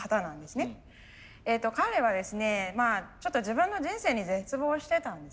彼はですねちょっと自分の人生に絶望してたんですね。